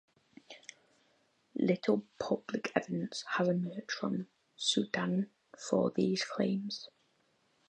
Little public evidence has emerged from Sudan for these claims.